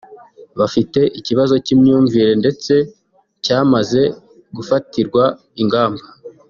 bafite ikibazo cy’imyumvire ndetse cyamaze gufatirwa ingamba